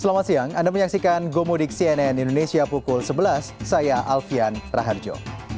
selamat siang anda menyaksikan gomudik cnn indonesia pukul sebelas saya alfian raharjo